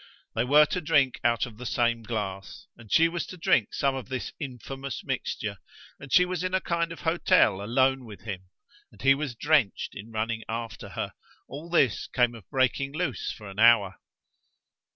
They were to drink out of the same glass; and she was to drink some of this infamous mixture: and she was in a kind of hotel alone with him: and he was drenched in running after her: all this came of breaking loose for an hour!